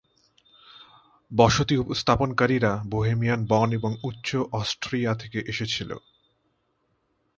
বসতি স্থাপনকারীরা বোহেমিয়ান বন এবং উচ্চ অস্ট্রিয়া থেকে এসেছিল।